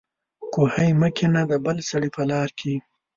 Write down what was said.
کوهي مه کنه د بل سړي په لار کې